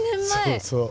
そうそう。